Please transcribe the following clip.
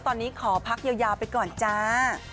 ตอนนี้ขอพักยาวไปก่อนจ้า